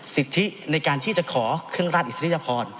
สิทธิในการที่จะขอเครื่องราชอิสริยพร